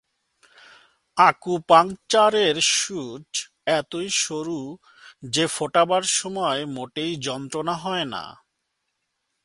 আকুপাঙ্কচারে সুচ এতই সরু যে ফোটাবার সময় মোটেই যন্ত্রণা হয় না।